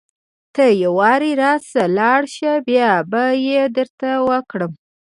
ته يوارې راسره لاړ شه بيا به يې درته وکړم.